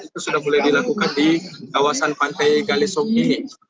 itu sudah boleh dilakukan di kawasan pantai galesong ini